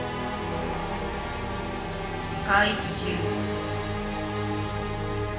回収。